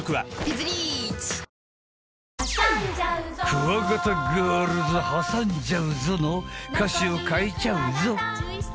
くわがたガールズ『はさんじゃうぞ！』の歌詞を変えちゃうぞ。